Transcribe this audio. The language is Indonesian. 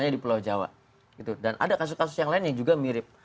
dan ada kasus kasus yang lainnya juga mirip